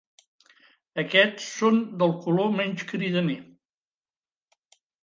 Aquests són del color menys cridaner.